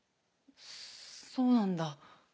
そうなんだ。